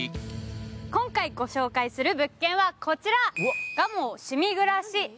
今回ご紹介する物件はこちら。